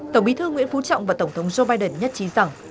tổng bí thư nguyễn phú trọng và tổng thống joe biden nhất trí rằng